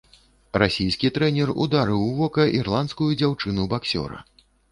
Расійскі трэнер ударыў у вока ірландскую дзяўчыну-баксёра.